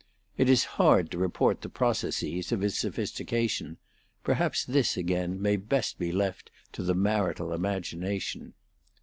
It is hard to report the processes of his sophistication; perhaps this, again, may best be left to the marital imagination.